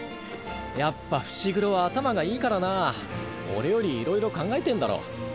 やっぱ伏黒は頭がいいからな俺よりいろいろ考えてんだろ。